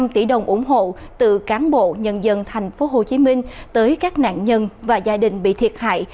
năm tỷ đồng ủng hộ từ cán bộ nhân dân tp hcm tới các nạn nhân và gia đình bị thiệt hại